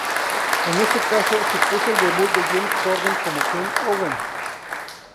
En este caso, supuso el debut de James Corden como Craig Owens.